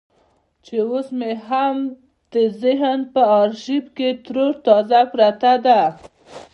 چې اوس مې هم د ذهن په ارشيف کې ترو تازه پرته ده.